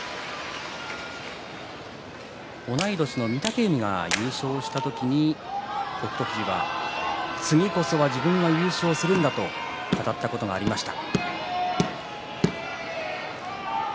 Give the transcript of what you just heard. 同い年の御嶽海が優勝した時に北勝富士、次こそ自分が優勝するんだと語ったことがありました。